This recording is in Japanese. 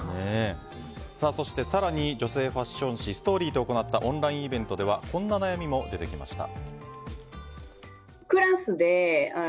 そして更に女性ファッション誌「ＳＴＯＲＹ」と行なったオンラインイベントではこんな悩みも出てきました。